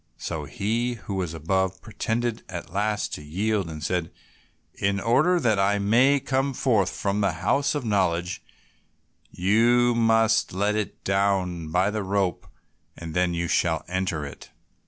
So he who was above pretended at last to yield, and said, "In order that I may come forth from the house of knowledge you must let it down by the rope, and then you shall enter it."